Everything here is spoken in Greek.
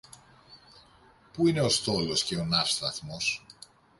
Πού είναι ο στόλος και ο ναύσταθμος;